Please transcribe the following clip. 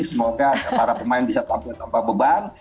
semoga para pemain bisa tampil tanpa beban